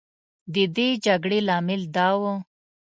د دې جګړې لامل دا و.